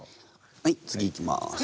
はい次いきます。